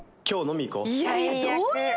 いやいやどういう。